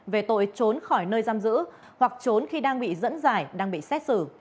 về tội trốn khỏi nơi giam giữ hoặc trốn khi đang bị dẫn giải đang bị xét xử